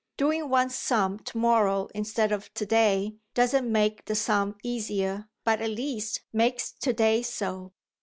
Doing one's sum to morrow instead of to day doesn't make the sum easier, but at least makes to day so.